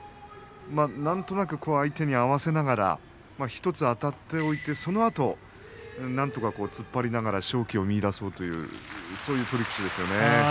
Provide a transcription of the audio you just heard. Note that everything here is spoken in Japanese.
なんとなく相手に合わせながら１つあたっておいてそのあとなんとか突っ張りながら勝機を見いだそうというそういう取り口ですよね。